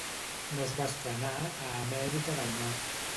No es va estrenar a Amèrica del Nord.